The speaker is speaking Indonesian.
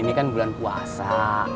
ini kan bulan puasa